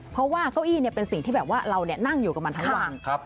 เพราะว่าเก้าอี้เป็นสิ่งที่แบบว่าเรานั่งอยู่กับมันทั้งวัง